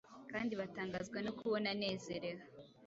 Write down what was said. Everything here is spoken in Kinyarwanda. kandi batangazwa no kubona anezerewe